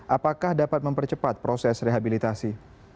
apakah dapat mempercepat proses rehabilitasi